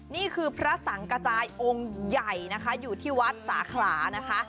นี่คือพระสังกระจายองค์ใหญ่นะคะอยู่ที่วัดสาขลานะคะ